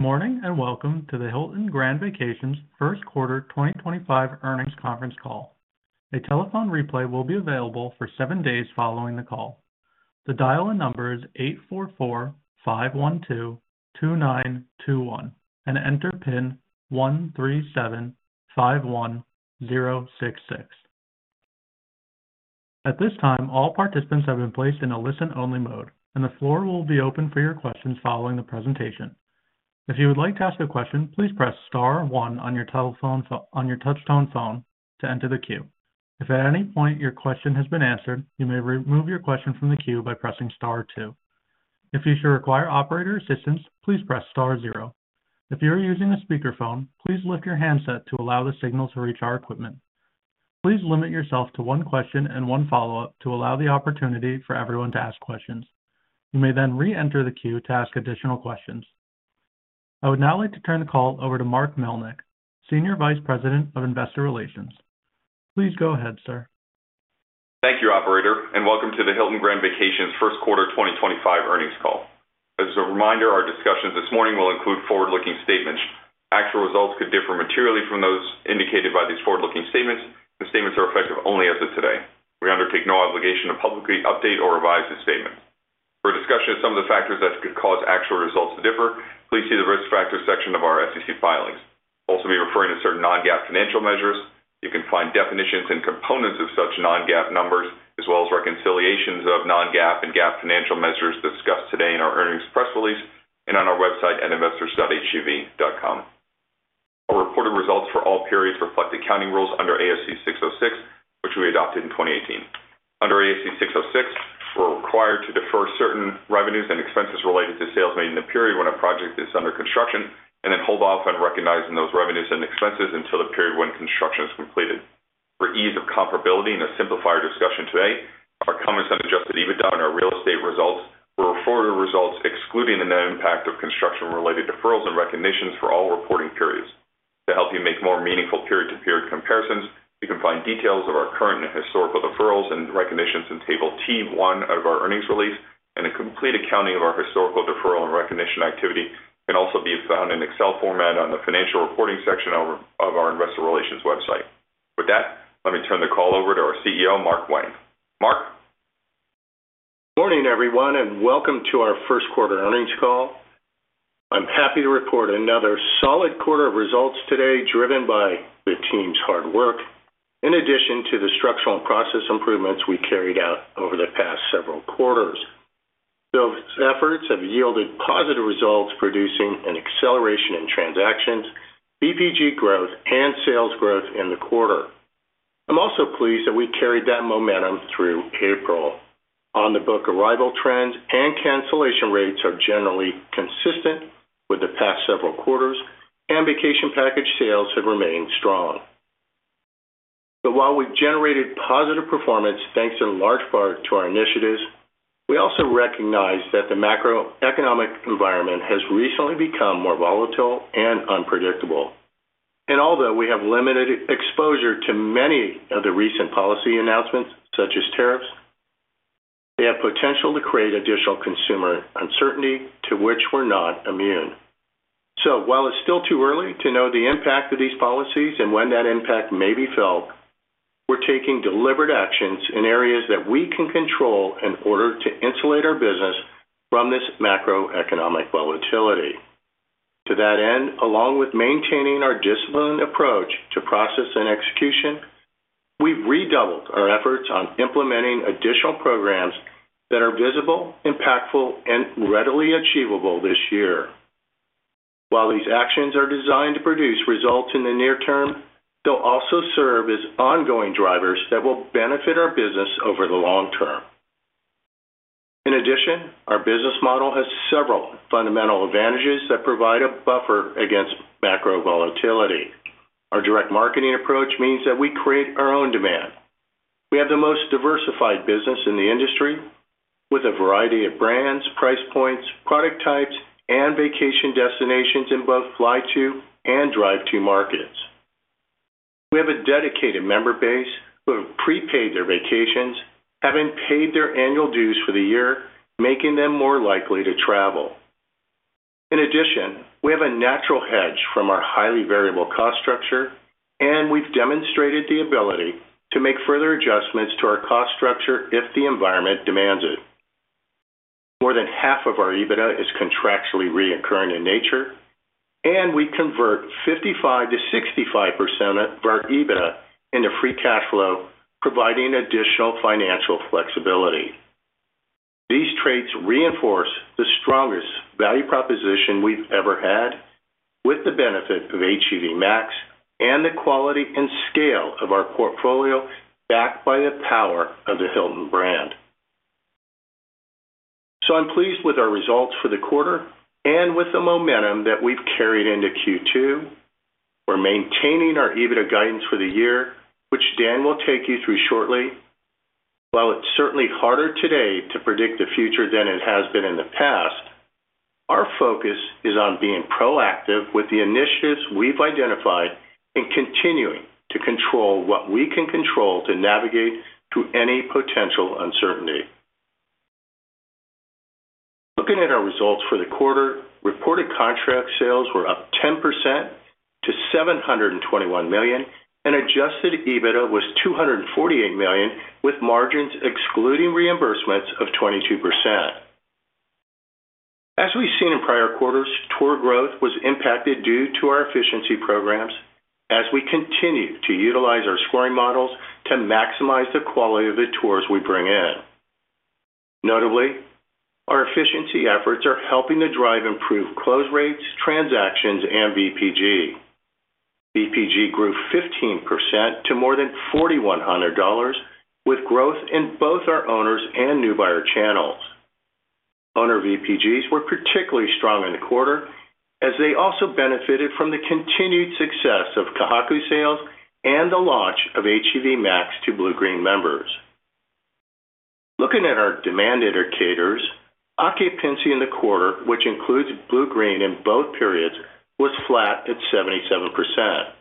Morning and welcome to the Hilton Grand Vacations First Quarter 2025 earnings conference call. A telephone replay will be available for seven days following the call. The dial-in number is 844-512-2921 and enter PIN 13751066. At this time, all participants have been placed in a listen-only mode, and the floor will be open for your questions following the presentation. If you would like to ask a question, please press Star 1 on your touch-tone phone to enter the queue. If at any point your question has been answered, you may remove your question from the queue by pressing Star 2. If you should require operator assistance, please press Star 0. If you are using a speakerphone, please lift your handset to allow the signal to reach our equipment. Please limit yourself to one question and one follow-up to allow the opportunity for everyone to ask questions. You may then re-enter the queue to ask additional questions. I would now like to turn the call over to Mark Melnyk, Senior Vice President of Investor Relations. Please go ahead, sir. Thank you, Operator, and welcome to the Hilton Grand Vacations First Quarter 2025 earnings call. As a reminder, our discussions this morning will include forward-looking statements. Actual results could differ materially from those indicated by these forward-looking statements, and statements are effective only as of today. We undertake no obligation to publicly update or revise these statements. For discussion of some of the factors that could cause actual results to differ, please see the risk factor section of our SEC filings. Also, we are referring to certain non-GAAP financial measures. You can find definitions and components of such non-GAAP numbers, as well as reconciliations of non-GAAP and GAAP financial measures discussed today in our earnings press release and on our website at investors.hgv.com. Our reported results for all periods reflect accounting rules under ASC 606, which we adopted in 2018. Under ASC 606, we're required to defer certain revenues and expenses related to sales made in the period when a project is under construction and then hold off on recognizing those revenues and expenses until the period when construction is completed. For ease of comparability and a simplified discussion today, our comments on adjusted EBITDA and our real estate results were forward results excluding the impact of construction-related deferrals and recognitions for all reporting periods. To help you make more meaningful period-to-period comparisons, you can find details of our current and historical deferrals and recognitions in Table T1 of our earnings release, and a complete accounting of our historical deferral and recognition activity can also be found in Excel format on the financial reporting section of our investor relations website. With that, let me turn the call over to our CEO, Mark Wang. Mark. Morning, everyone, and welcome to our first quarter earnings call. I'm happy to report another solid quarter of results today, driven by the team's hard work, in addition to the structural and process improvements we carried out over the past several quarters. Those efforts have yielded positive results, producing an acceleration in transactions, VPG growth, and sales growth in the quarter. I'm also pleased that we carried that momentum through April. On-the-book arrival trends and cancellation rates are generally consistent with the past several quarters, and vacation package sales have remained strong. While we've generated positive performance thanks in large part to our initiatives, we also recognize that the macroeconomic environment has recently become more volatile and unpredictable. Although we have limited exposure to many of the recent policy announcements, such as tariffs, they have potential to create additional consumer uncertainty, to which we're not immune. While it's still too early to know the impact of these policies and when that impact may be felt, we're taking deliberate actions in areas that we can control in order to insulate our business from this macroeconomic volatility. To that end, along with maintaining our disciplined approach to process and execution, we've redoubled our efforts on implementing additional programs that are visible, impactful, and readily achievable this year. While these actions are designed to produce results in the near term, they'll also serve as ongoing drivers that will benefit our business over the long term. In addition, our business model has several fundamental advantages that provide a buffer against macro volatility. Our direct marketing approach means that we create our own demand. We have the most diversified business in the industry, with a variety of brands, price points, product types, and vacation destinations in both fly-to and drive-to markets. We have a dedicated member base who have prepaid their vacations, having paid their annual dues for the year, making them more likely to travel. In addition, we have a natural hedge from our highly variable cost structure, and we have demonstrated the ability to make further adjustments to our cost structure if the environment demands it. More than half of our EBITDA is contractually recurring in nature, and we convert 55%-65% of our EBITDA into free cash flow, providing additional financial flexibility. These traits reinforce the strongest value proposition we have ever had, with the benefit of HGV Max and the quality and scale of our portfolio backed by the power of the Hilton brand. I'm pleased with our results for the quarter and with the momentum that we've carried into Q2. We're maintaining our EBITDA guidance for the year, which Dan will take you through shortly. While it's certainly harder today to predict the future than it has been in the past, our focus is on being proactive with the initiatives we've identified and continuing to control what we can control to navigate through any potential uncertainty. Looking at our results for the quarter, reported contract sales were up 10% to $721 million, and adjusted EBITDA was $248 million, with margins excluding reimbursements of 22%. As we've seen in prior quarters, tour growth was impacted due to our efficiency programs as we continue to utilize our scoring models to maximize the quality of the tours we bring in. Notably, our efficiency efforts are helping to drive improved close rates, transactions, and VPG. VPG grew 15% to more than $4,100, with growth in both our owners' and new buyer channels. Owner VPGs were particularly strong in the quarter as they also benefited from the continued success Ka Haku sales and the launch of HGV Max to Bluegreen members. Looking at our demand indicators, occupancy in the quarter, which includes Bluegreen in both periods, was flat at 77%.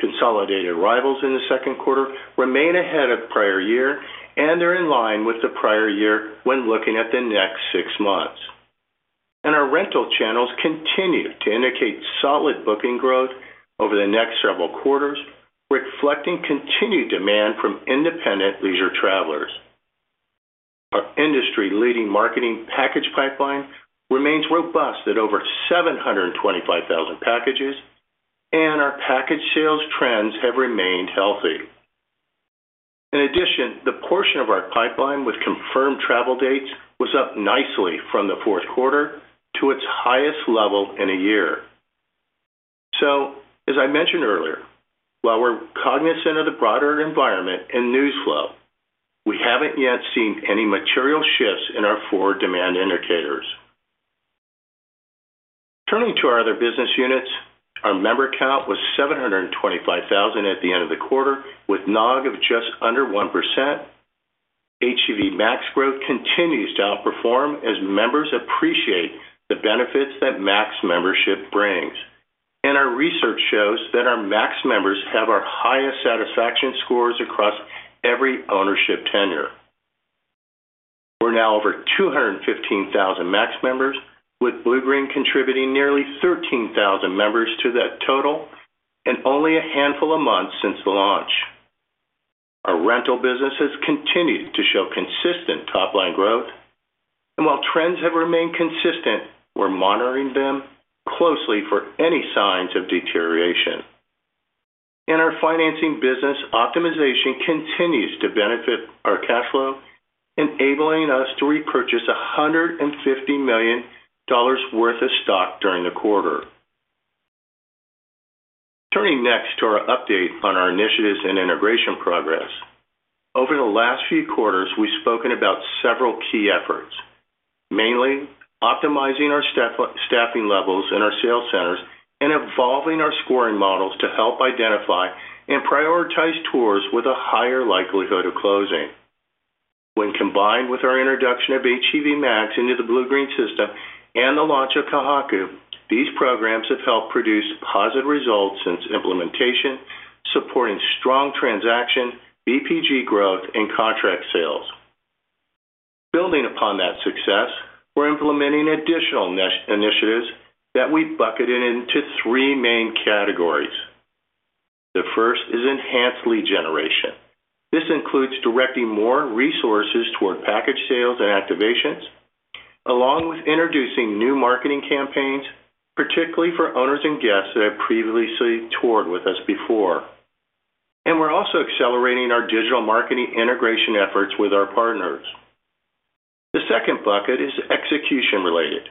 Consolidated arrivals in the second quarter remain ahead of prior year, and they are in line with the prior year when looking at the next six months. Our rental channels continue to indicate solid booking growth over the next several quarters, reflecting continued demand from independent leisure travelers. Our industry-leading marketing package pipeline remains robust at over 725,000 packages, and our package sales trends have remained healthy. In addition, the portion of our pipeline with confirmed travel dates was up nicely from the fourth quarter to its highest level in a year. As I mentioned earlier, while we're cognizant of the broader environment and news flow, we haven't yet seen any material shifts in our four demand indicators. Turning to our other business units, our member count was 725,000 at the end of the quarter, with NOG of just under 1%. HGV Max growth continues to outperform as members appreciate the benefits that Max membership brings. Our research shows that our Max members have our highest satisfaction scores across every ownership tenure. We're now over 215,000 Max members, with Bluegreen contributing nearly 13,000 members to that total in only a handful of months since the launch. Our rental business has continued to show consistent top-line growth, and while trends have remained consistent, we're monitoring them closely for any signs of deterioration. Our financing business optimization continues to benefit our cash flow, enabling us to repurchase $150 million worth of stock during the quarter. Turning next to our update on our initiatives and integration progress. Over the last few quarters, we've spoken about several key efforts, mainly optimizing our staffing levels in our sales centers and evolving our scoring models to help identify and prioritize tours with a higher likelihood of closing. When combined with our introduction of HGV Max into the Bluegreen system and the launch Ka Haku, these programs have helped produce positive results since implementation, supporting strong transaction, VPG growth, and contract sales. Building upon that success, we're implementing additional initiatives that we've bucketed into three main categories. The first is enhanced lead generation. This includes directing more resources toward package sales and activations, along with introducing new marketing campaigns, particularly for owners and guests that have previously toured with us before. We are also accelerating our digital marketing integration efforts with our partners. The second bucket is execution-related.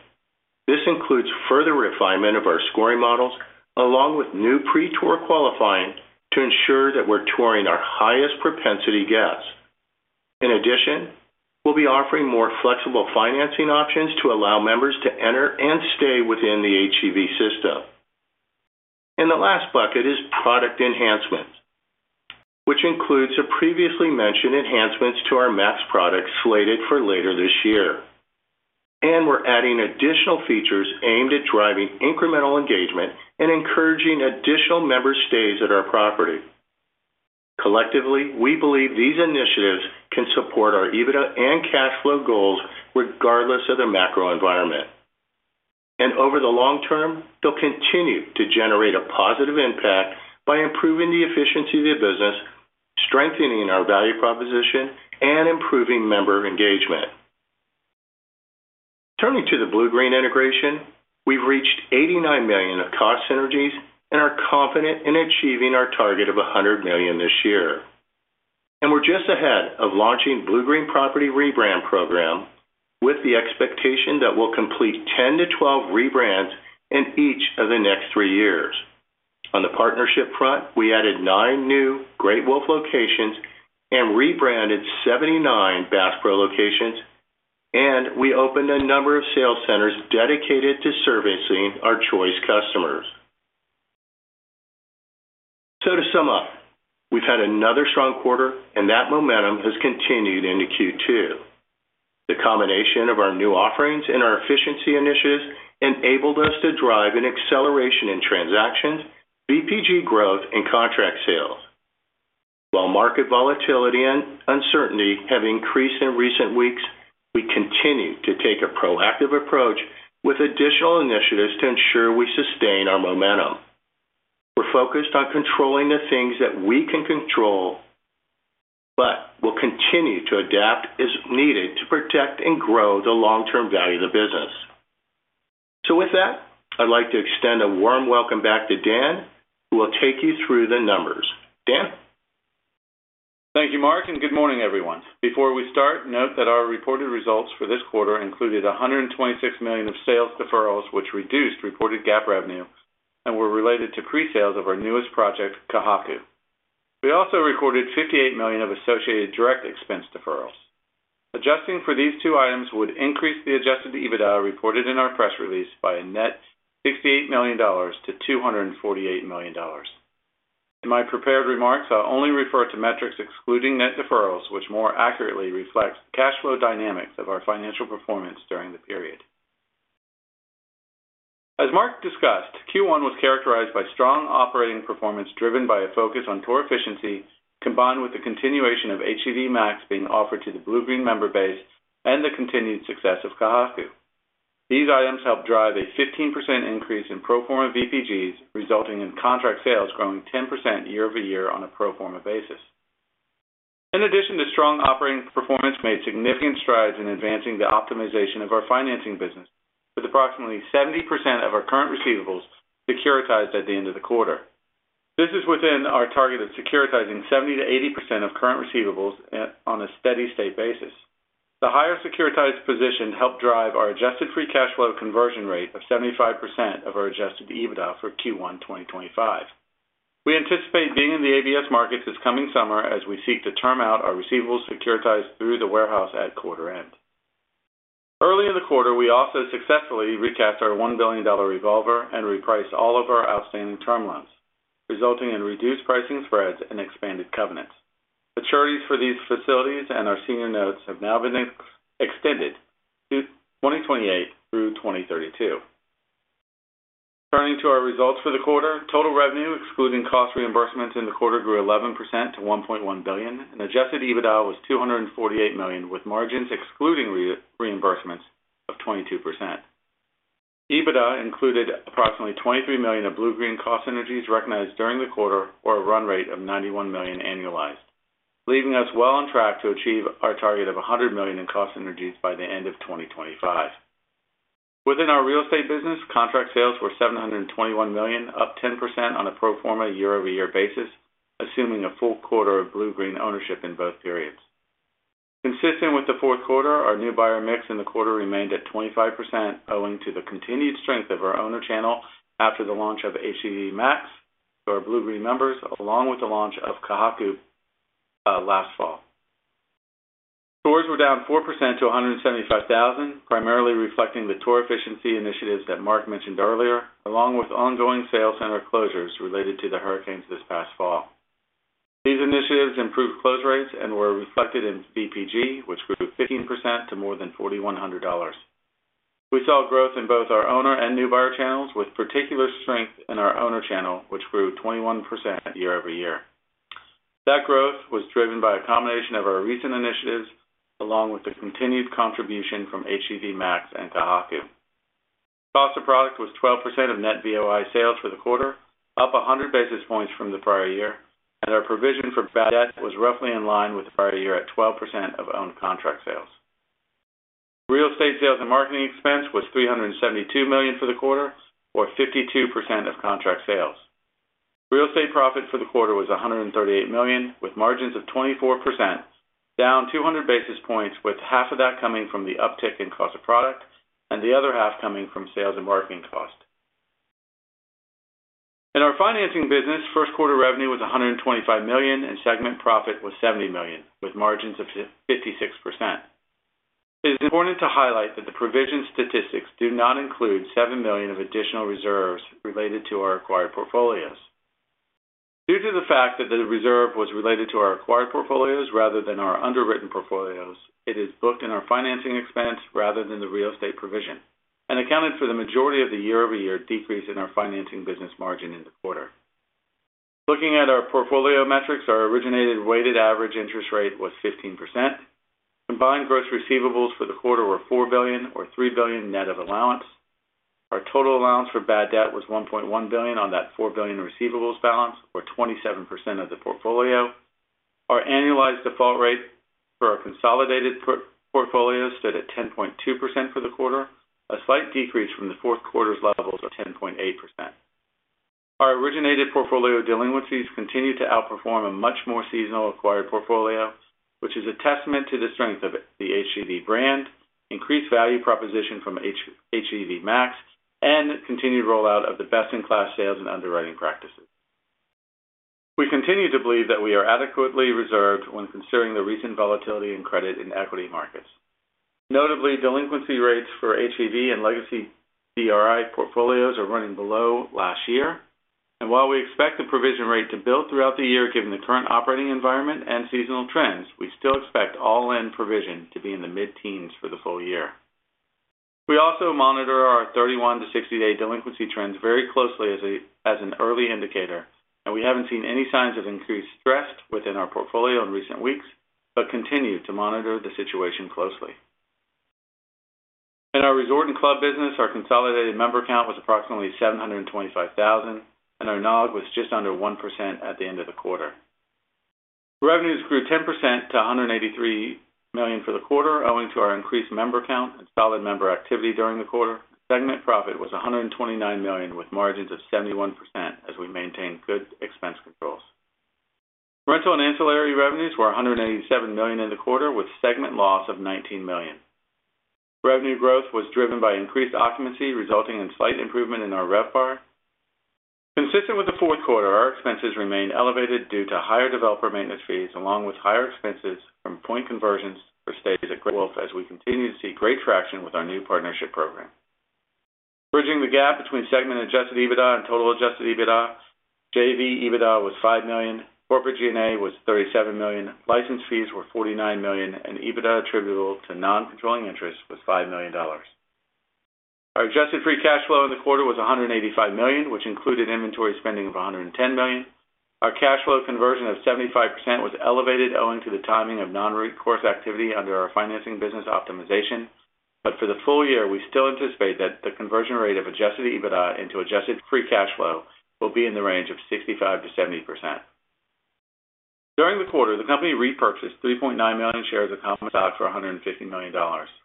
This includes further refinement of our scoring models, along with new pre-tour qualifying to ensure that we are touring our highest propensity guests. In addition, we will be offering more flexible financing options to allow members to enter and stay within the HGV system. The last bucket is product enhancements, which includes the previously mentioned enhancements to our Max product slated for later this year. We are adding additional features aimed at driving incremental engagement and encouraging additional member stays at our property. Collectively, we believe these initiatives can support our EBITDA and cash flow goals regardless of the macro environment. Over the long term, they'll continue to generate a positive impact by improving the efficiency of the business, strengthening our value proposition, and improving member engagement. Turning to the Bluegreen integration, we've reached $89 million of cost synergies and are confident in achieving our target of $100 million this year. We're just ahead of launching the Bluegreen property rebrand program with the expectation that we'll complete 10-12 rebrands in each of the next three years. On the partnership front, we added nine new Great Wolf locations and rebranded 79 Bass Pro Shops locations, and we opened a number of sales centers dedicated to servicing our Choice customers. To sum up, we've had another strong quarter, and that momentum has continued into Q2. The combination of our new offerings and our efficiency initiatives enabled us to drive an acceleration in transactions, VPG growth, and contract sales. While market volatility and uncertainty have increased in recent weeks, we continue to take a proactive approach with additional initiatives to ensure we sustain our momentum. We're focused on controlling the things that we can control, but we'll continue to adapt as needed to protect and grow the long-term value of the business. With that, I'd like to extend a warm welcome back to Dan, who will take you through the numbers. Dan? Thank you, Mark, and good morning, everyone. Before we start, note that our reported results for this quarter included $126 million of sales deferrals, which reduced reported GAAP revenue and were related to pre-sales of our newest Ka Haku. we also recorded $58 million of associated direct expense deferrals. Adjusting for these two items would increase the adjusted EBITDA reported in our press release by a net $68 million to $248 million. In my prepared remarks, I'll only refer to metrics excluding net deferrals, which more accurately reflects the cash flow dynamics of our financial performance during the period. As Mark discussed, Q1 was characterized by strong operating performance driven by a focus on tour efficiency, combined with the continuation of HGV Max being offered to the Bluegreen member base and the continued success Ka Haku. these items helped drive a 15% increase in pro forma VPGs, resulting in contract sales growing 10% year over year on a pro forma basis. In addition, the strong operating performance made significant strides in advancing the optimization of our financing business, with approximately 70% of our current receivables securitized at the end of the quarter. This is within our target of securitizing 70-80% of current receivables on a steady-state basis. The higher securitized position helped drive our adjusted free cash flow conversion rate of 75% of our adjusted EBITDA for Q1 2025. We anticipate being in the ABS markets this coming summer as we seek to term out our receivables securitized through the warehouse at quarter end. Early in the quarter, we also successfully recapped our $1 billion revolver and repriced all of our outstanding term loans, resulting in reduced pricing spreads and expanded covenants. Maturities for these facilities and our senior notes have now been extended to 2028-2032. Turning to our results for the quarter, total revenue, excluding cost reimbursements in the quarter, grew 11% to $1.1 billion, and adjusted EBITDA was $248 million, with margins excluding reimbursements of 22%. EBITDA included approximately $23 million of Bluegreen cost synergies recognized during the quarter, or a run rate of $91 million annualized, leaving us well on track to achieve our target of $100 million in cost synergies by the end of 2025. Within our real estate business, contract sales were $721 million, up 10% on a pro forma year-over-year basis, assuming a full quarter of Bluegreen ownership in both periods. Consistent with the fourth quarter, our new buyer mix in the quarter remained at 25%, owing to the continued strength of our owner channel after the launch of HGV Max to our Bluegreen members, along with the launch Ka Haku last fall. Tours were down 4% to 175,000, primarily reflecting the tour efficiency initiatives that Mark mentioned earlier, along with ongoing sales center closures related to the hurricanes this past fall. These initiatives improved close rates and were reflected in VPG, which grew 15% to more than $4,100. We saw growth in both our owner and new buyer channels, with particular strength in our owner channel, which grew 21% year-over-year. That growth was driven by a combination of our recent initiatives, along with the continued contribution from HGV Max Ka Haku. cost of product was 12% of net VOI sales for the quarter, up 100 basis points from the prior year, and our provision for bad debt was roughly in line with the prior year at 12% of owned contract sales. Real estate sales and marketing expense was $372 million for the quarter, or 52% of contract sales. Real estate profit for the quarter was $138 million, with margins of 24%, down 200 basis points, with half of that coming from the uptick in cost of product and the other half coming from sales and marketing cost. In our financing business, first quarter revenue was $125 million, and segment profit was $70 million, with margins of 56%. It is important to highlight that the provision statistics do not include $7 million of additional reserves related to our acquired portfolios. Due to the fact that the reserve was related to our acquired portfolios rather than our underwritten portfolios, it is booked in our financing expense rather than the real estate provision and accounted for the majority of the year-over-year decrease in our financing business margin in the quarter. Looking at our portfolio metrics, our originated weighted average interest rate was 15%. Combined gross receivables for the quarter were $4 billion, or $3 billion net of allowance. Our total allowance for bad debt was $1.1 billion on that $4 billion receivables balance, or 27% of the portfolio. Our annualized default rate for our consolidated portfolio stood at 10.2% for the quarter, a slight decrease from the fourth quarter's levels of 10.8%. Our originated portfolio delinquencies continued to outperform a much more seasonal acquired portfolio, which is a testament to the strength of the HGV brand, increased value proposition from HGV Max, and continued rollout of the best-in-class sales and underwriting practices. We continue to believe that we are adequately reserved when considering the recent volatility in credit and equity markets. Notably, delinquency rates for HGV and legacy Diamond Resorts portfolios are running below last year. While we expect the provision rate to build throughout the year given the current operating environment and seasonal trends, we still expect all-in provision to be in the mid-teens for the full year. We also monitor our 31 to 60-day delinquency trends very closely as an early indicator, and we have not seen any signs of increased stress within our portfolio in recent weeks, but continue to monitor the situation closely. In our resort and club business, our consolidated member count was approximately 725,000, and our NOG was just under 1% at the end of the quarter. Revenues grew 10% to $183 million for the quarter, owing to our increased member count and solid member activity during the quarter. Segment profit was $129 million, with margins of 71% as we maintained good expense controls. Rental and ancillary revenues were $187 million in the quarter, with segment loss of $19 million. Revenue growth was driven by increased occupancy, resulting in slight improvement in our RevPAR. Consistent with the fourth quarter, our expenses remained elevated due to higher developer maintenance fees, along with higher expenses from point conversions for stays at Great Wolf, as we continue to see great traction with our new partnership program. Bridging the gap between segment-adjusted EBITDA and total-adjusted EBITDA, JV EBITDA was $5 million, corporate G&A was $37 million, license fees were $49 million, and EBITDA attributable to non-controlling interest was $5 million. Our adjusted free cash flow in the quarter was $185 million, which included inventory spending of $110 million. Our cash flow conversion of 75% was elevated, owing to the timing of non-recourse activity under our financing business optimization, but for the full year, we still anticipate that the conversion rate of adjusted EBITDA into adjusted free cash flow will be in the range of 65%-70%. During the quarter, the company repurchased 3.9 million shares of common stock for $150 million.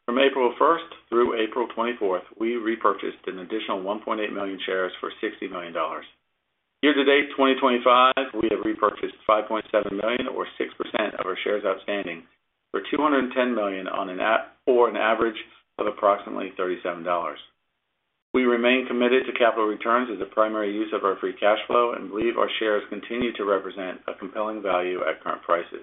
From April 1 through April 24, we repurchased an additional 1.8 million shares for $60 million. Year-to-date 2025, we have repurchased 5.7 million, or 6% of our shares outstanding, for $210 million at an average of approximately $37. We remain committed to capital returns as the primary use of our free cash flow and believe our shares continue to represent a compelling value at current prices.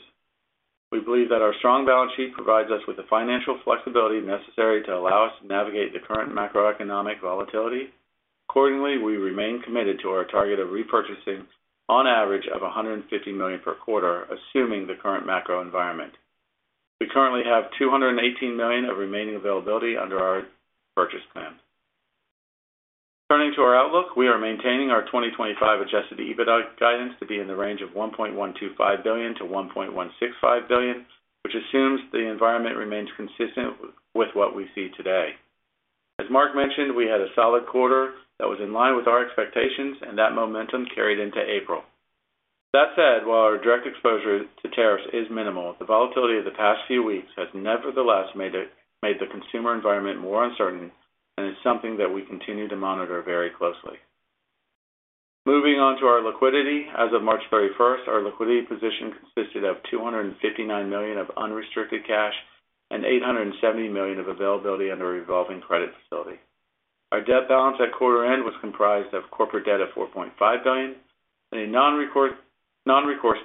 We believe that our strong balance sheet provides us with the financial flexibility necessary to allow us to navigate the current macroeconomic volatility. Accordingly, we remain committed to our target of repurchasing on average $150 million per quarter, assuming the current macro environment. We currently have $218 million of remaining availability under our purchase plan. Turning to our outlook, we are maintaining our 2025 adjusted EBITDA guidance to be in the range of $1.125 billion-$1.165 billion, which assumes the environment remains consistent with what we see today. As Mark mentioned, we had a solid quarter that was in line with our expectations, and that momentum carried into April. That said, while our direct exposure to tariffs is minimal, the volatility of the past few weeks has nevertheless made the consumer environment more uncertain and is something that we continue to monitor very closely. Moving on to our liquidity, as of March 31, our liquidity position consisted of $259 million of unrestricted cash and $870 million of availability under a revolving credit facility. Our debt balance at quarter end was comprised of corporate debt of $4.5 billion and a non-recourse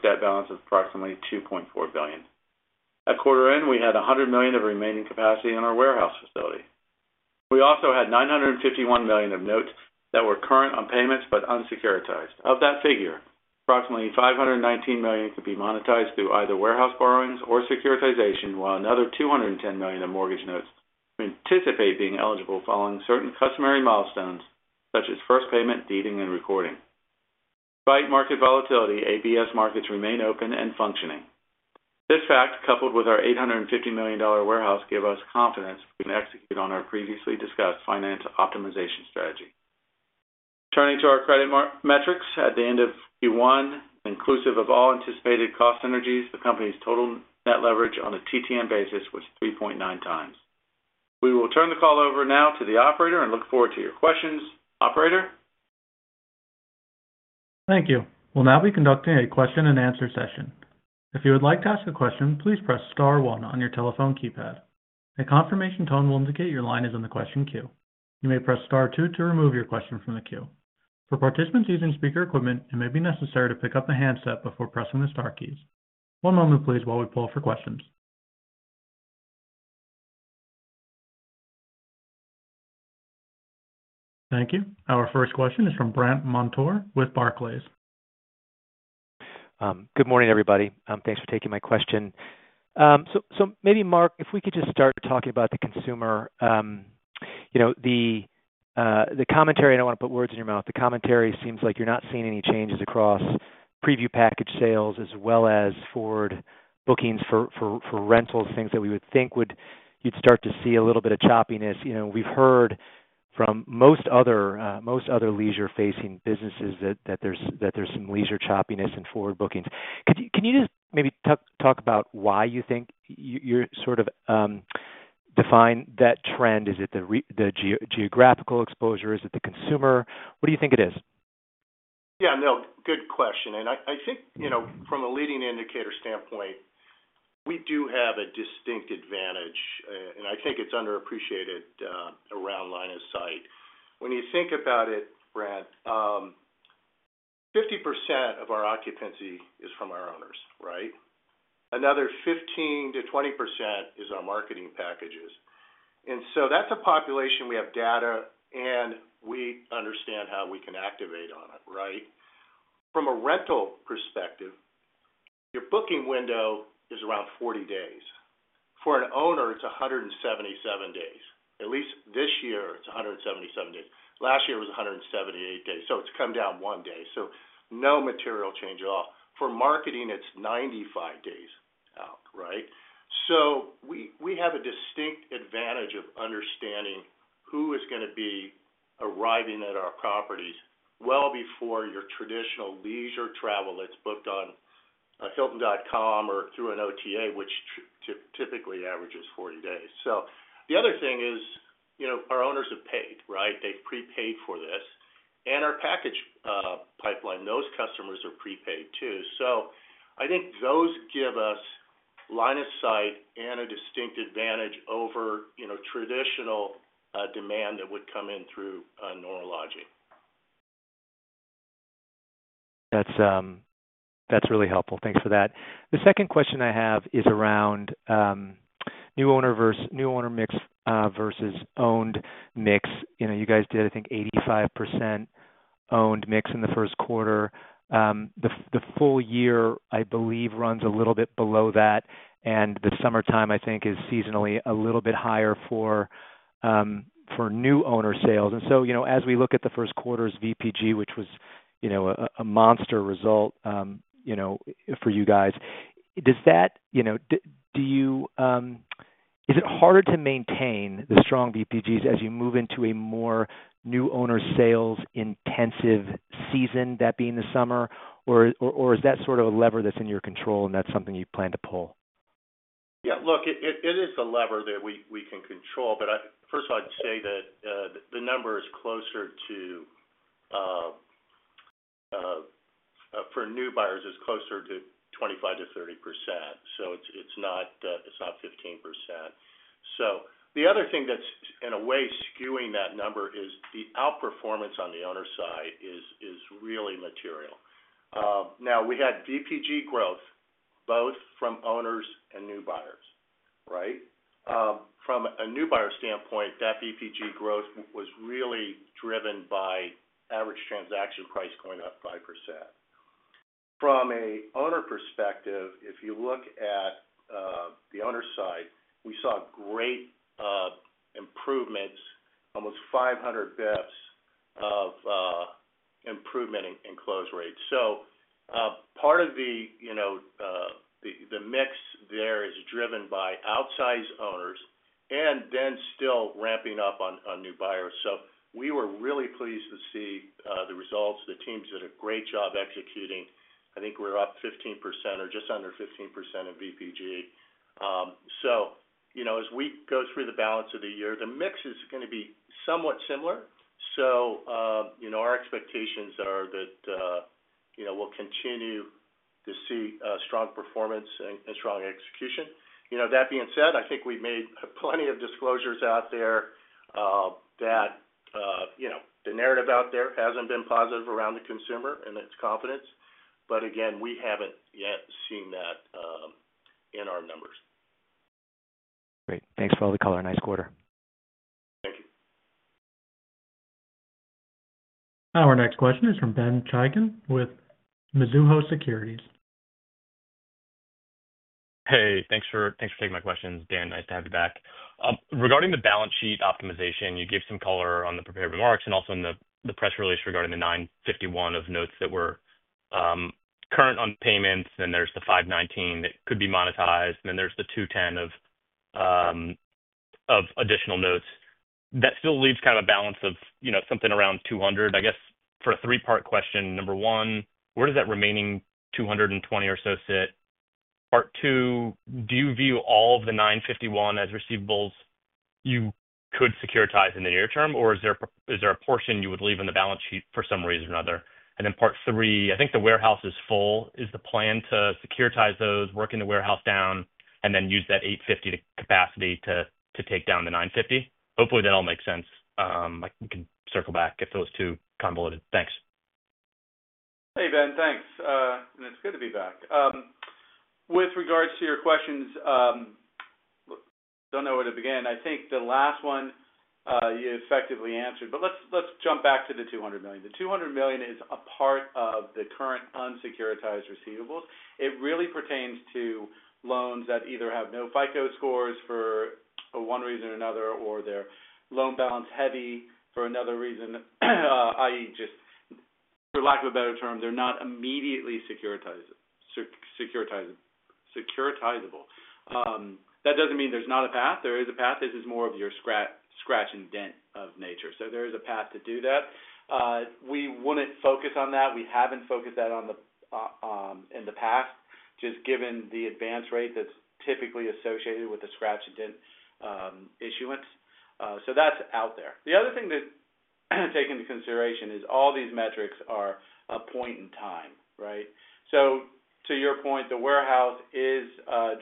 debt balance of approximately $2.4 billion. At quarter end, we had $100 million of remaining capacity on our warehouse facility. We also had $951 million of notes that were current on payments but unsecuritized. Of that figure, approximately $519 million could be monetized through either warehouse borrowings or securitization, while another $210 million of mortgage notes we anticipate being eligible following certain customary milestones such as first payment, deeding, and recording. Despite market volatility, ABS markets remain open and functioning. This fact, coupled with our $850 million warehouse, gives us confidence we can execute on our previously discussed finance optimization strategy. Turning to our credit metrics, at the end of Q1, inclusive of all anticipated cost synergies, the company's total net leverage on a TTM basis was 3.9 times. We will turn the call over now to the operator and look forward to your questions. Operator? Thank you. We'll now be conducting a question-and-answer session. If you would like to ask a question, please press Star 1 on your telephone keypad. A confirmation tone will indicate your line is on the question queue. You may press Star 2 to remove your question from the queue. For participants using speaker equipment, it may be necessary to pick up the handset before pressing the Star keys. One moment, please, while we pull up for questions. Thank you. Our first question is from Brandt Montour with Barclays. Good morning, everybody. Thanks for taking my question. Maybe, Mark, if we could just start talking about the consumer. The commentary—I do not want to put words in your mouth—the commentary seems like you are not seeing any changes across preview package sales as well as forward bookings for rentals, things that we would think you would start to see a little bit of choppiness. We have heard from most other leisure-facing businesses that there is some leisure choppiness in forward bookings. Can you just maybe talk about why you think you are sort of defying that trend? Is it the geographical exposure? Is it the consumer? What do you think it is? Yeah, no, good question. I think from a leading indicator standpoint, we do have a distinct advantage, and I think it's underappreciated around line of sight. When you think about it, Brent, 50% of our occupancy is from our owners, right? Another 15%-20% is our marketing packages. That is a population we have data on, and we understand how we can activate on it, right? From a rental perspective, your booking window is around 40 days. For an owner, it's 177 days. At least this year, it's 177 days. Last year it was 178 days, so it's come down one day. No material change at all. For marketing, it's 95 days out, right? We have a distinct advantage of understanding who is going to be arriving at our properties well before your traditional leisure travel that's booked on Hilton.com or through an OTA, which typically averages 40 days. The other thing is our owners have paid, right? They've prepaid for this. And our package pipeline, those customers are prepaid too. I think those give us line of sight and a distinct advantage over traditional demand that would come in through Nora Lodging. That's really helpful. Thanks for that. The second question I have is around new owner mix versus owned mix. You guys did, I think, 85% owned mix in the first quarter. The full year, I believe, runs a little bit below that, and the summertime, I think, is seasonally a little bit higher for new owner sales. As we look at the first quarter's VPG, which was a monster result for you guys, do you—is it harder to maintain the strong VPGs as you move into a more new owner sales-intensive season, that being the summer? Or is that sort of a lever that's in your control and that's something you plan to pull? Yeah, look, it is a lever that we can control, but first of all, I'd say that the number is closer to—for new buyers, it's closer to 25%-30%. So it's not 15%. The other thing that's, in a way, skewing that number is the outperformance on the owner side is really material. Now, we had VPG growth both from owners and new buyers, right? From a new buyer standpoint, that VPG growth was really driven by average transaction price going up 5%. From an owner perspective, if you look at the owner side, we saw great improvements, almost 500 basis points of improvement in close rate. Part of the mix there is driven by outsized owners and then still ramping up on new buyers. We were really pleased to see the results. The teams did a great job executing. I think we're up 15% or just under 15% of VPG. As we go through the balance of the year, the mix is going to be somewhat similar. Our expectations are that we'll continue to see strong performance and strong execution. That being said, I think we've made plenty of disclosures out there that the narrative out there hasn't been positive around the consumer and its confidence. Again, we haven't yet seen that in our numbers. Great. Thanks for all the color. Nice quarter. Thank you. Our next question is from Ben Chaiken with Mizuho Securities. Hey, thanks for taking my questions, Dan. Nice to have you back. Regarding the balance sheet optimization, you gave some color on the prepared remarks and also in the press release regarding the $951 million of notes that were current on payments, and then there's the $519 million that could be monetized, and then there's the $210 million of additional notes. That still leaves kind of a balance of something around $200 million, I guess. For a three-part question, number one, where does that remaining $220 million or so sit? Part two, do you view all of the $951 million as receivables you could securitize in the near term, or is there a portion you would leave on the balance sheet for some reason or another? Part three, I think the warehouse is full. Is the plan to securitize those, working the warehouse down, and then use that $850 capacity to take down the $950? Hopefully, that all makes sense. We can circle back if that was too convoluted. Thanks. Hey, Ben, thanks. It's good to be back. With regards to your questions, I don't know where to begin. I think the last one you effectively answered, but let's jump back to the $200 million. The $200 million is a part of the current unsecuritized receivables. It really pertains to loans that either have no FICO scores for one reason or another, or they're loan balance heavy for another reason, i.e., just for lack of a better term, they're not immediately securitizable. That doesn't mean there's not a path. There is a path. This is more of your scratch and dent of nature. There is a path to do that. We wouldn't focus on that. We haven't focused that in the past, just given the advance rate that's typically associated with the scratch and dent issuance. That's out there. The other thing to take into consideration is all these metrics are a point in time, right? To your point, the warehouse is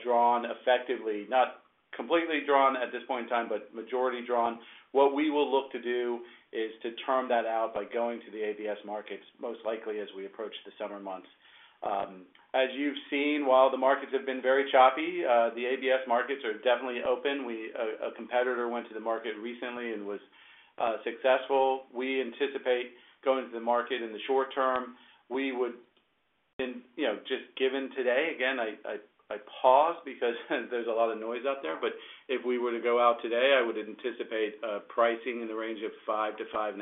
drawn effectively, not completely drawn at this point in time, but majority drawn. What we will look to do is to term that out by going to the ABS markets, most likely as we approach the summer months. As you've seen, while the markets have been very choppy, the ABS markets are definitely open. A competitor went to the market recently and was successful. We anticipate going to the market in the short term. Just given today, again, I pause because there's a lot of noise out there, but if we were to go out today, I would anticipate pricing in the range of 5%-5.5%.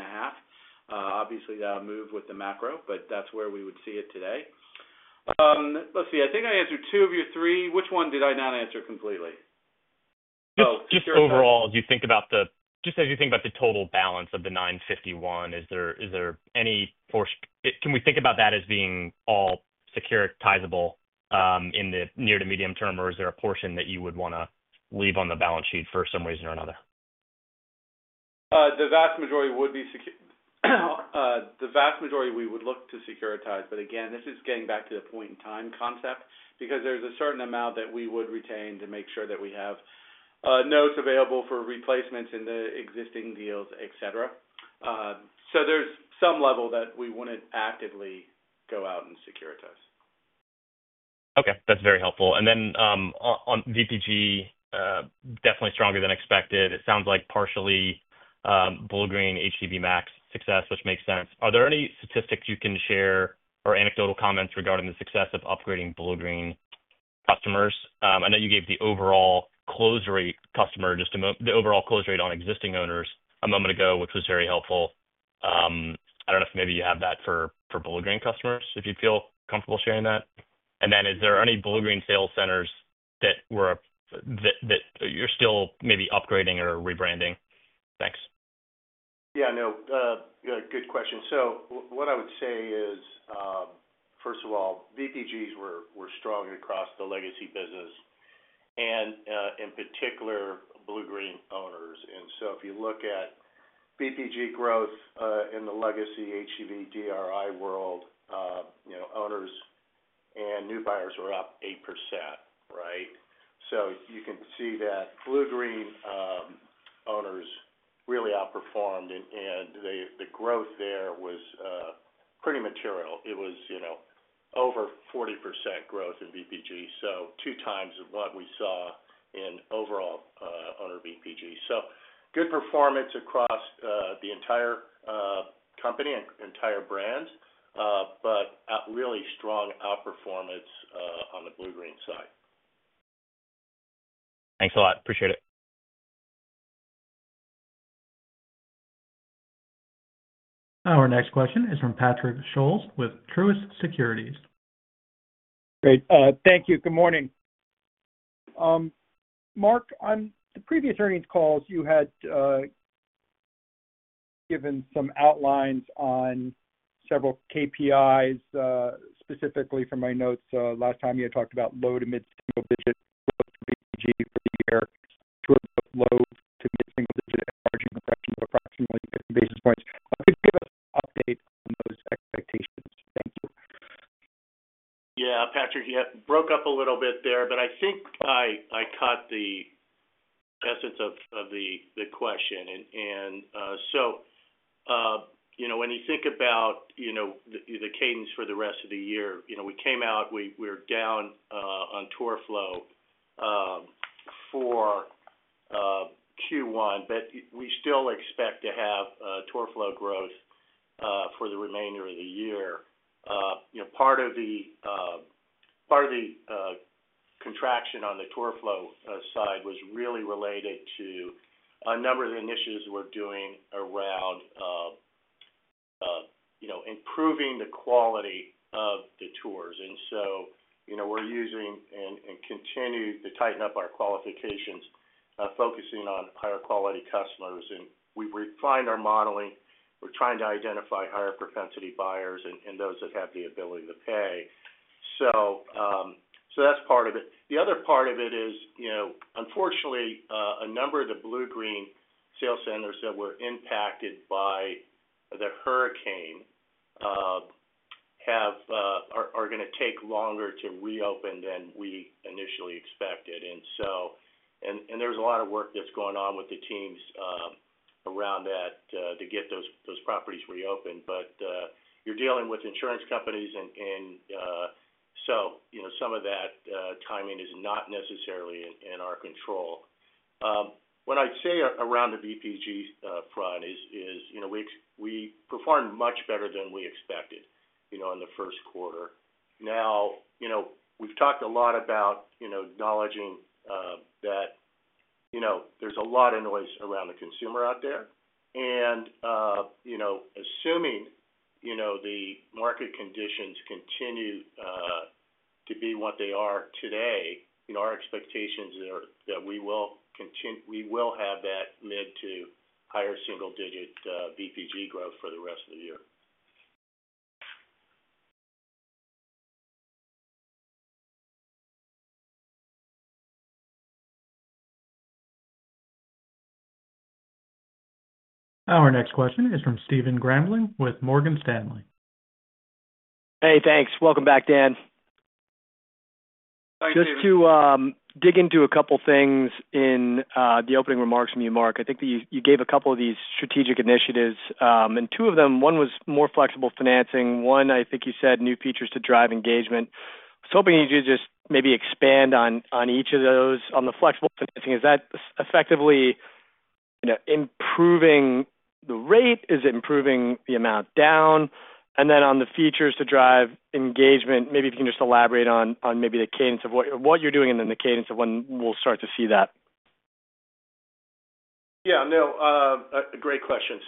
Obviously, that'll move with the macro, but that's where we would see it today. Let's see. I think I answered two of your three. Which one did I not answer completely? Just overall, as you think about the—just as you think about the total balance of the 951, is there any portion? Can we think about that as being all securitizable in the near to medium term, or is there a portion that you would want to leave on the balance sheet for some reason or another? The vast majority we would look to securitize. Again, this is getting back to the point in time concept because there's a certain amount that we would retain to make sure that we have notes available for replacements in the existing deals, etc. There is some level that we would not actively go out and securitize. Okay. That's very helpful. On VPG, definitely stronger than expected. It sounds like partially Bluegreen HGV Max success, which makes sense. Are there any statistics you can share or anecdotal comments regarding the success of upgrading Bluegreen customers? I know you gave the overall close rate on existing owners a moment ago, which was very helpful. I don't know if maybe you have that for Bluegreen customers, if you'd feel comfortable sharing that. Is there any Bluegreen sales centers that you're still maybe upgrading or rebranding? Thanks. Yeah, no. Good question. What I would say is, first of all, VPGs were strong across the legacy business, and in particular, Bluegreen owners. If you look at VPG growth in the legacy HGV DRI world, owners and new buyers were up 8%, right? You can see that Bluegreen owners really outperformed, and the growth there was pretty material. It was over 40% growth in VPG, so two times what we saw in overall owner VPG. Good performance across the entire company and entire brand, but really strong outperformance on the Bluegreen side. Thanks a lot. Appreciate it. Our next question is from Patrick Scholes with Truist Securities. Great. Thank you. Good morning. Mark, on the previous earnings calls, you had given some outlines on several KPIs, specifically from my notes. Last time, you had talked about low to mid-single digit growth for VPG for the year, towards low to mid-single digit and margin compression of approximately 50 basis points. Could you give us an update on those expectations? Thank you. Yeah, Patrick, you broke up a little bit there, but I think I caught the essence of the question. When you think about the cadence for the rest of the year, we came out, we were down on tour flow for Q1, but we still expect to have tour flow growth for the remainder of the year. Part of the contraction on the tour flow side was really related to a number of the initiatives we're doing around improving the quality of the tours. We are using and continue to tighten up our qualifications, focusing on higher quality customers. We have refined our modeling. We are trying to identify higher propensity buyers and those that have the ability to pay. That is part of it. The other part of it is, unfortunately, a number of the Bluegreen Vacations sales centers that were impacted by the hurricane are going to take longer to reopen than we initially expected. There is a lot of work that's going on with the teams around that to get those properties reopened. You are dealing with insurance companies, and some of that timing is not necessarily in our control. What I'd say around the VPG front is we performed much better than we expected in the first quarter. Now, we've talked a lot about acknowledging that there's a lot of noise around the consumer out there. Assuming the market conditions continue to be what they are today, our expectations are that we will have that mid to higher single-digit VPG growth for the rest of the year. Our next question is from Stephen Grambling with Morgan Stanley. Hey, thanks. Welcome back, Dan. Thanks, Dan. Just to dig into a couple of things in the opening remarks from you, Mark. I think you gave a couple of these strategic initiatives, and two of them, one was more flexible financing. One, I think you said new features to drive engagement. I was hoping you could just maybe expand on each of those on the flexible financing. Is that effectively improving the rate? Is it improving the amount down? And then on the features to drive engagement, maybe if you can just elaborate on maybe the cadence of what you're doing and then the cadence of when we'll start to see that. Yeah, no. A great question.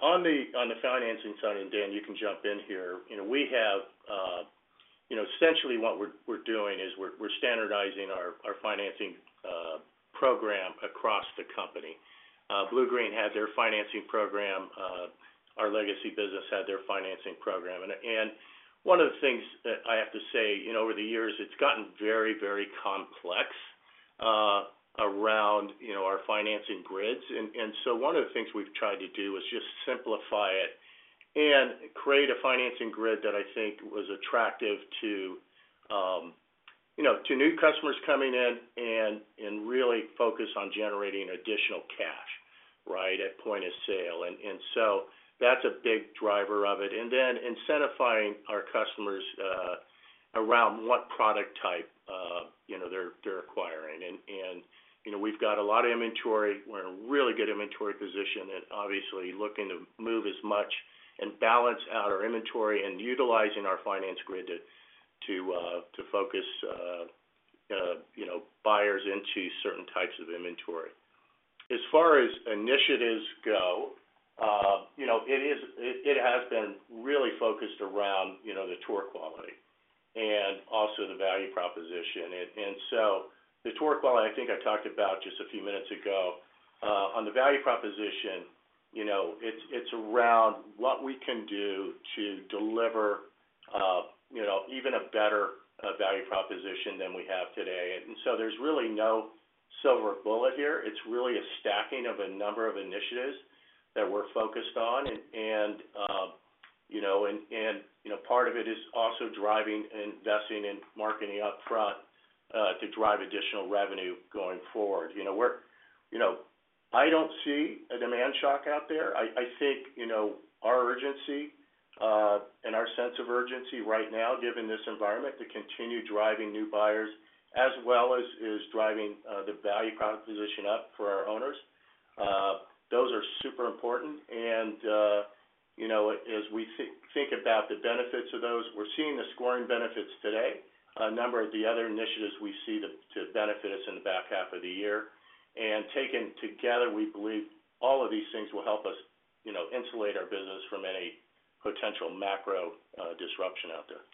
On the financing side, and Dan, you can jump in here. We have essentially what we're doing is we're standardizing our financing program across the company. Bluegreen had their financing program. Our legacy business had their financing program. One of the things that I have to say, over the years, it's gotten very, very complex around our financing grids. One of the things we've tried to do is just simplify it and create a financing grid that I think was attractive to new customers coming in and really focus on generating additional cash, right, at point of sale. That's a big driver of it. Then incentivizing our customers around what product type they're acquiring. We've got a lot of inventory. We're in a really good inventory position and obviously looking to move as much and balance out our inventory and utilizing our finance grid to focus buyers into certain types of inventory. As far as initiatives go, it has been really focused around the tour quality and also the value proposition. The tour quality, I think I talked about just a few minutes ago. On the value proposition, it's around what we can do to deliver even a better value proposition than we have today. There's really no silver bullet here. It's really a stacking of a number of initiatives that we're focused on. Part of it is also driving and investing and marketing upfront to drive additional revenue going forward. I don't see a demand shock out there. I think our urgency and our sense of urgency right now, given this environment, to continue driving new buyers as well as driving the value proposition up for our owners, those are super important. As we think about the benefits of those, we're seeing the scoring benefits today, a number of the other initiatives we see to benefit us in the back half of the year. Taken together, we believe all of these things will help us insulate our business from any potential macro disruption out there.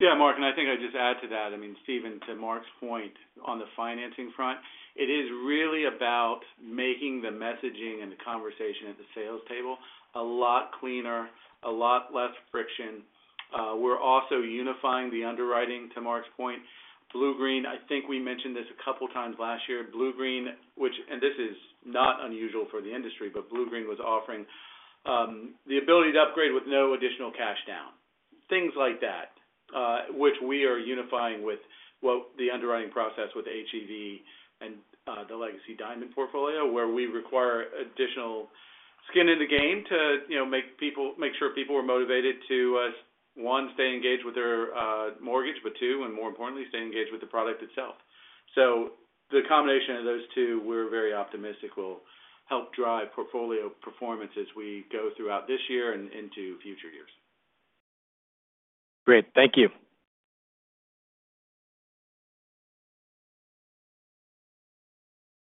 Yeah, Mark. I think I'd just add to that. I mean, Steven, to Mark's point on the financing front, it is really about making the messaging and the conversation at the sales table a lot cleaner, a lot less friction. We're also unifying the underwriting to Mark's point. Bluegreen, I think we mentioned this a couple of times last year. Bluegreen, which—and this is not unusual for the industry—but Bluegreen was offering the ability to upgrade with no additional cash down. Things like that, which we are unifying with the underwriting process with HGV and the legacy Diamond portfolio, where we require additional skin in the game to make sure people are motivated to, one, stay engaged with their mortgage, but two, and more importantly, stay engaged with the product itself. The combination of those two, we're very optimistic will help drive portfolio performance as we go throughout this year and into future years. Great. Thank you.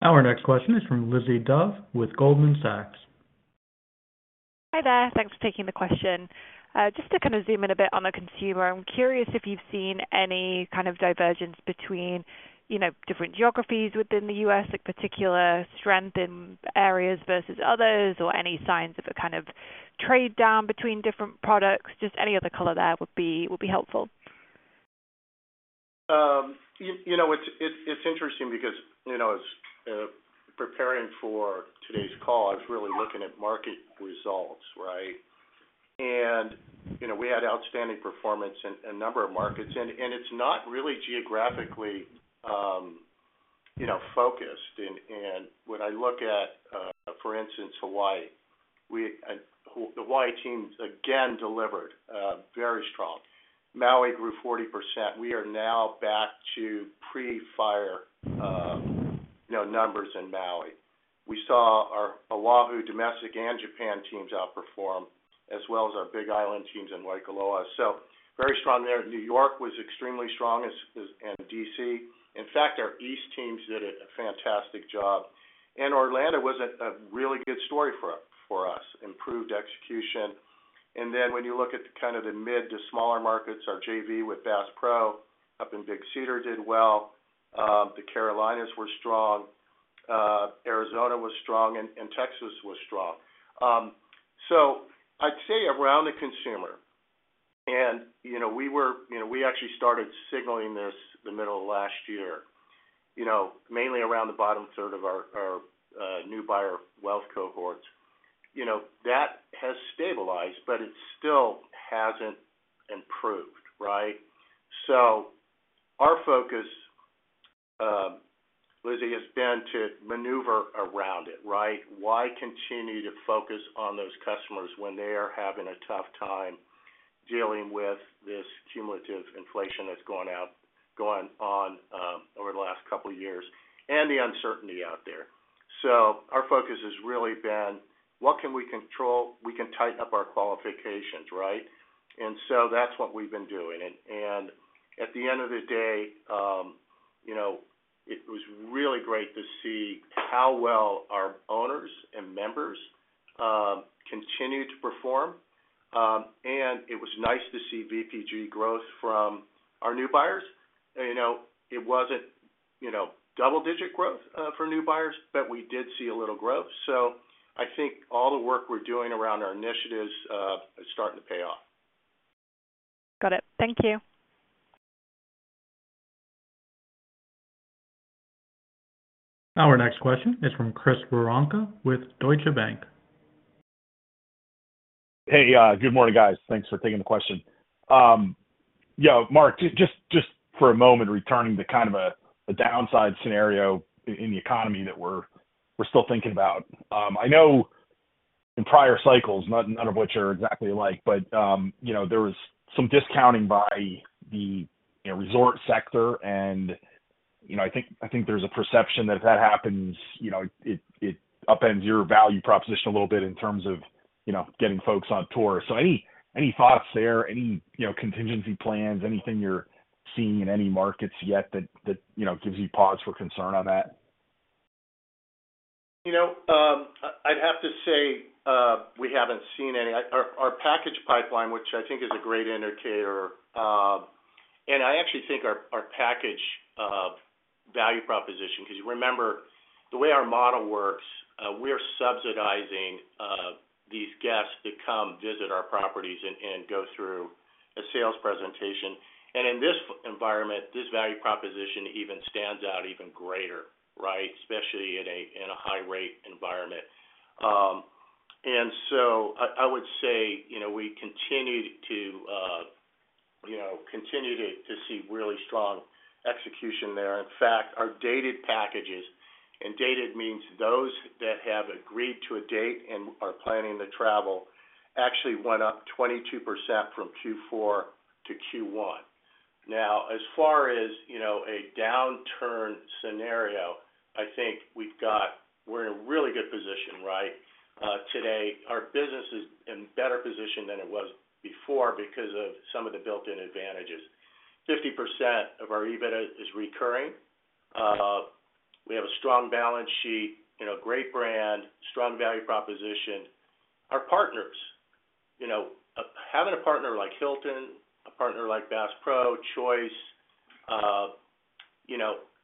Our next question is from Lizzie Dove with Goldman Sachs. Hi there. Thanks for taking the question. Just to kind of zoom in a bit on the consumer, I'm curious if you've seen any kind of divergence between different geographies within the U.S., like particular strength in areas versus others, or any signs of a kind of trade down between different products. Just any other color there would be helpful. It's interesting because as preparing for today's call, I was really looking at market results, right? We had outstanding performance in a number of markets, and it's not really geographically focused. When I look at, for instance, Hawaii, the Hawaii team, again, delivered very strong. Maui grew 40%. We are now back to pre-fire numbers in Maui. We saw our Oahu domestic and Japan teams outperform, as well as our Big Island teams in Waikoloa. Very strong there. New York was extremely strong, and DC. In fact, our East teams did a fantastic job. Orlando was a really good story for us, improved execution. When you look at kind of the mid to smaller markets, our JV with Bass Pro up in Big Cedar did well. The Carolinas were strong. Arizona was strong, and Texas was strong. I'd say around the consumer, and we actually started signaling this the middle of last year, mainly around the bottom third of our new buyer wealth cohorts. That has stabilized, but it still hasn't improved, right? Our focus, Lizzie, has been to maneuver around it, right? Why continue to focus on those customers when they are having a tough time dealing with this cumulative inflation that's gone on over the last couple of years and the uncertainty out there? Our focus has really been, what can we control? We can tighten up our qualifications, right? That's what we've been doing. At the end of the day, it was really great to see how well our owners and members continued to perform. It was nice to see VPG growth from our new buyers. It was not double-digit growth for new buyers, but we did see a little growth. I think all the work we are doing around our initiatives is starting to pay off. Got it. Thank you. Our next question is from Chris Woronka with Deutsche Bank. Hey, good morning, guys. Thanks for taking the question. Yeah, Mark, just for a moment, returning to kind of a downside scenario in the economy that we're still thinking about. I know in prior cycles, none of which are exactly alike, but there was some discounting by the resort sector. I think there's a perception that if that happens, it upends your value proposition a little bit in terms of getting folks on tour. Any thoughts there? Any contingency plans, anything you're seeing in any markets yet that gives you pause for concern on that? I'd have to say we haven't seen any. Our package pipeline, which I think is a great indicator, and I actually think our package value proposition, because you remember the way our model works, we're subsidizing these guests that come visit our properties and go through a sales presentation. In this environment, this value proposition even stands out even greater, right, especially in a high-rate environment. I would say we continue to continue to see really strong execution there. In fact, our dated packages, and dated means those that have agreed to a date and are planning to travel, actually went up 22% from Q4 to Q1. Now, as far as a downturn scenario, I think we're in a really good position, right? Today, our business is in a better position than it was before because of some of the built-in advantages. 50% of our EBITDA is recurring. We have a strong balance sheet, great brand, strong value proposition. Our partners, having a partner like Hilton, a partner like Bass Pro, Choice,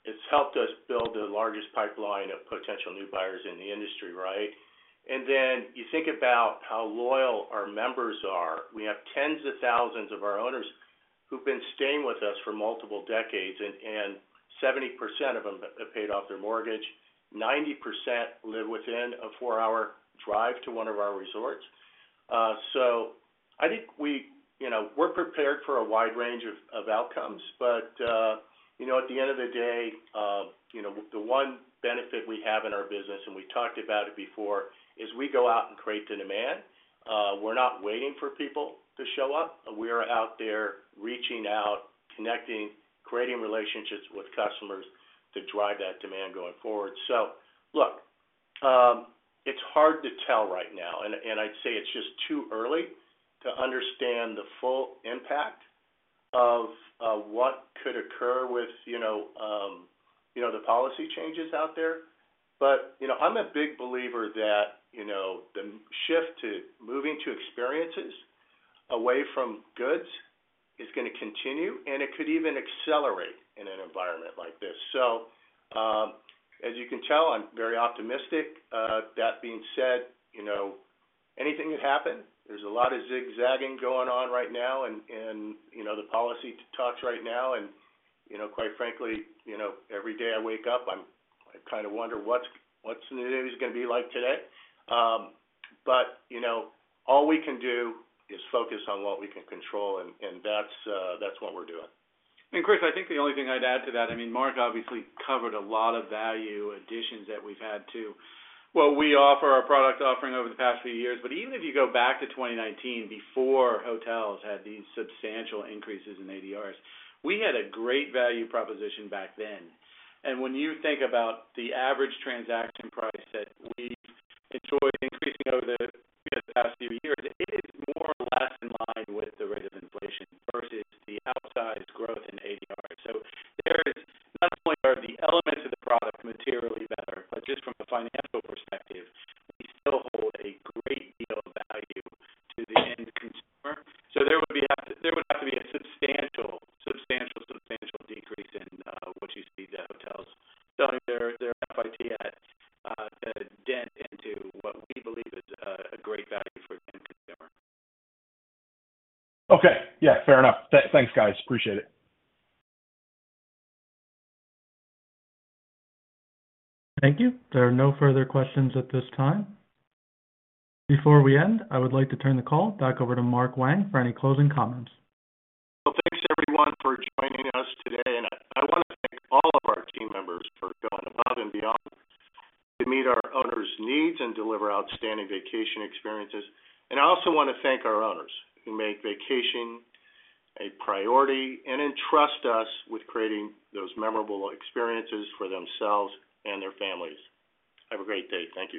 it's helped us build the largest pipeline of potential new buyers in the industry, right? You think about how loyal our members are. We have tens of thousands of our owners who've been staying with us for multiple decades, and 70% of them have paid off their mortgage. 90% live within a four-hour drive to one of our resorts. I think we're prepared for a wide range of outcomes, but at the end of the day, the one benefit we have in our business, and we talked about it before, is we go out and create the demand. We're not waiting for people to show up. We are out there reaching out, connecting, creating relationships with customers to drive that demand going forward. Look, it's hard to tell right now, and I'd say it's just too early to understand the full impact of what could occur with the policy changes out there. I'm a big believer that the shift to moving to experiences away from goods is going to continue, and it could even accelerate in an environment like this. As you can tell, I'm very optimistic. That being said, anything could happen. There's a lot of zigzagging going on right now in the policy talks. Quite frankly, every day I wake up, I kind of wonder what's the news going to be like today. All we can do is focus on what we can control, and that's what we're doing. Chris, I think the only thing I'd add to that, I mean, Mark obviously covered a lot of value additions that we've had to what we offer, our product offering over the past few years. Even if you go back to 2019, before hotels had these substantial increases in ADRs, we had a great value proposition back then. When you think about the average transaction price that we've enjoyed increasing over the past few years, it is more or less in line with the rate of inflation versus the outsized growth in ADRs. Not only are the elements of the product materially better, but just from a financial perspective, we still hold a great deal of value to the end consumer. There would have to be a substantial, substantial, substantial decrease in what you see the hotels selling their FIT at dent into what we believe is a great value for the end consumer. Okay. Yeah, fair enough. Thanks, guys. Appreciate it. Thank you. There are no further questions at this time. Before we end, I would like to turn the call back over to Mark Wang for any closing comments. Thanks, everyone, for joining us today. I want to thank all of our team members for going above and beyond to meet our owners' needs and deliver outstanding vacation experiences. I also want to thank our owners who make vacation a priority and entrust us with creating those memorable experiences for themselves and their families. Have a great day. Thank you.